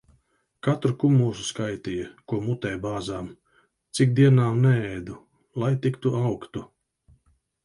Katru kumosu skaitīja, ko mutē bāzām. Cik dienām neēdu, lai tik tu augtu.